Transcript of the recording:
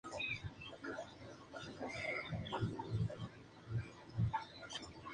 Las repercusiones de esta reunión literal de estas mentes durarían por años.